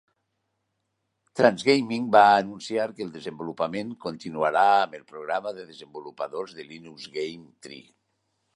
TransGaming va anunciar que el desenvolupament continuarà amb el programa de desenvolupadors de Linux GameTree.